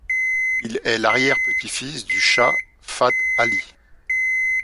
Il est l’arrière-petit-fils du chah Fath Ali.